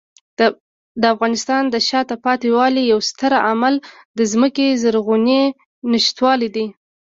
د افغانستان د شاته پاتې والي یو ستر عامل د ځمکې زرغونې نشتوالی دی.